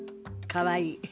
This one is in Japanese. かわいい。